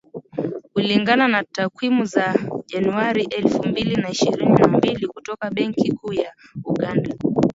Kulingana na takwimu za Januari elfu mbili na ishirini na mbili kutoka Benki Kuu ya Uganda